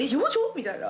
みたいな。